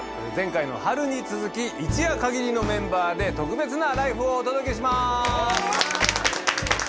前回の「春」に続き一夜限りのメンバーで特別な「ＬＩＦＥ！」をお届けします！